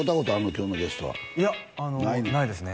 今日のゲストはいやないですね